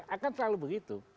akan selalu begitu